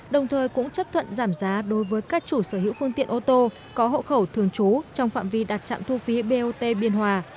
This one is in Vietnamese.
đồng thời cũng chấp thuận giảm giá đối với các chủ sở hữu phương tiện ô tô có hộ khẩu thường trú trong phạm vi đặt trạm thu phí bot biên hòa